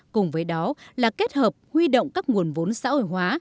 cùng với đó là kết hợp huy động các nguồn vốn xã hội hóa